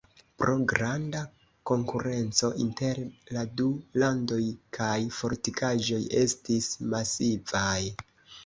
Pro granda konkurenco inter la du landoj la fortikaĵoj estis masivaj.